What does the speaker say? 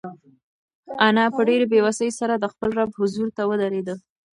انا په ډېرې بېوسۍ سره د خپل رب حضور ته ودرېده.